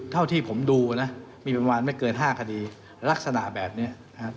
เท่าที่ผมดูนะมีประมาณไม่เกิน๕คดีลักษณะแบบนี้นะครับ